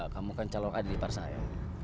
kamu kan calon adik ipar saya